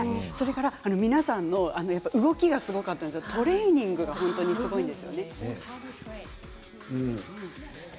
皆さんの動きがすごかったんですけどトレーニングがすごいんですよね。